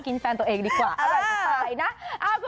กินแฟนตัวเองดีกว่าอร่อยกว่าไปนะ